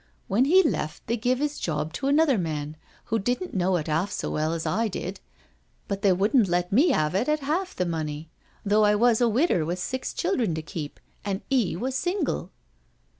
When he left they give 'is job to another man, who didn't know it 'alf as well as I did, but they, wouldn't let me 'ave it at half the money, though I was a wider with six children to keep, an' 'e was single."